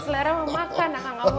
pembangkit selera sama makan